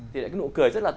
thì cái nụ cười rất là